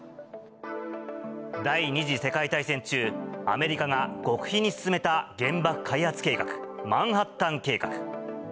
第２次世界大戦中、アメリカが極秘に進めた原爆開発計画、マンハッタン計画。